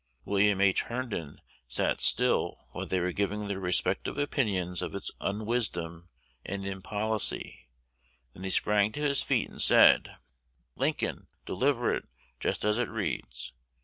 William H. Herndon sat still while they were giving their respective opinions of its unwisdom and impolicy: then he sprang to his feet and said, 'Lincoln, deliver it just as it reads.